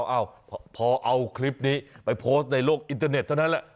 เอ้าพอเอาคลิปนี้ไปโพสต์ในโลกอินเทอร์เน็ตเท่านั้นแหละ